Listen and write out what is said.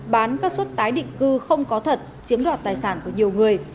bán các suất tái định cư không có thật chiếm đoạt tài sản của nhiều người